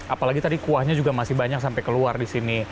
apalagi tadi kuahnya juga masih banyak sampai keluar di sini